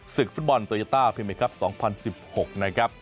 ศึกฟุตบอลโตยาต้าพิเมครับ๒๐๑๖นะครับ